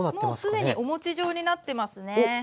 もう既にお餅状になってますね。